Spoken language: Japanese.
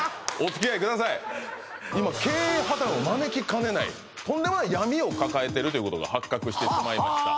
今経営破綻を招きかねないとんでもない闇を抱えてるということが発覚してしまいました